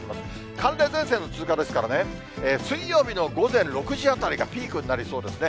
寒冷前線の通過ですからね、水曜日の午前６時あたりがピークになりそうですね。